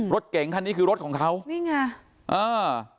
รถเก่งท่านนี้คือรถของเขานี่ไง